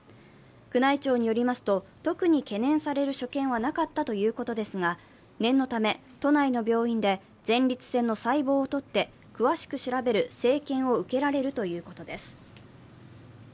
宮内庁によりますと、特に懸念される所見はなかったということですが、念のため、都内の病院で前立腺の細胞を取って詳しく調べる生検を受けられるということです。